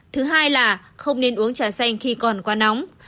thứ hai là không nên uống trà xanh khi còn quá nóng